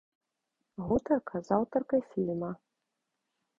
Гутарка з аўтаркай фільма.